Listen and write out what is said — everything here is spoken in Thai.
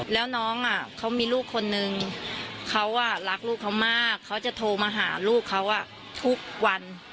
แล้วน้องเขามีลูกคนนึงเขารักลูกเขามากเขาจะโทรมาหาลูกเขาทุกวัน